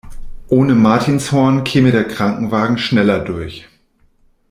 Ohne Martinshorn käme der Krankenwagen schneller durch.